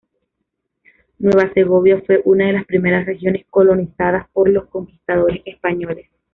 Nueva Segovia fue una de las primeras regiones colonizadas por los conquistadores españoles.